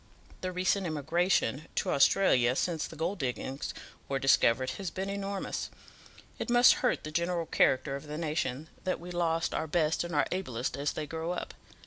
The recent emigration to Australia since the gold diggings were discovered has been enormous. It must hurt the general character of the nation that we lose our best and our ablest as they grow up.